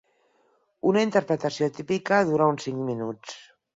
Una interpretació típica dura uns cinc minuts.